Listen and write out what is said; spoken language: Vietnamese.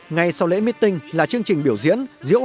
ngày sau lễ meeting là chương trình biểu diễn